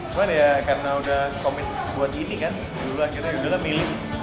cuman ya karena udah komit buat ini kan dulu akhirnya yaudahlah milih